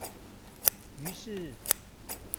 於是